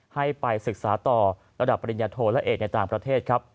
ให้ไปศึกษาต่อระดับปริญญาโทและเอกในต่างประเทศครับ